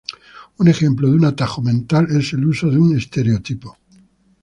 Un ejemplo de un atajo mental es el uso de un estereotipo.